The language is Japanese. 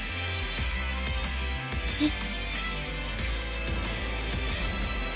えっ？